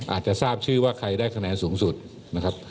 อาจจะทราบชื่อว่าใครได้คะแนนสูงสุดนะครับ